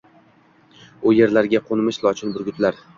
U yerlarga qoʻnmish lochin, burgutlar